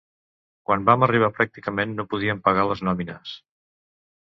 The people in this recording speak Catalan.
Quan vam arribar pràcticament no podíem pagar les nòmines.